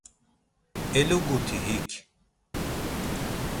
Eluguti hik.